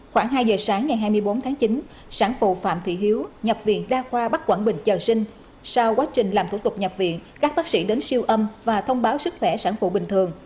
khoảng hai giờ sáng ngày hai mươi bốn tháng chín sản phụ phạm thị hiếu nhập viện đa khoa bắc quảng bình chờ sinh sau quá trình làm thủ tục nhập viện các bác sĩ đến siêu âm và thông báo sức khỏe sản phụ bình thường